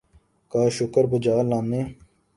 کا شکر بجا لانے